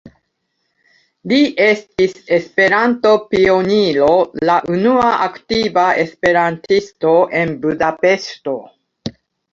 Li estis Esperanto-pioniro, la unua aktiva esperantisto en Budapeŝto.